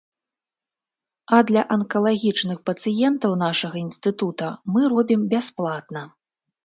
А для анкалагічных пацыентаў нашага інстытута мы робім бясплатна.